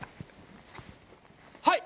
はい！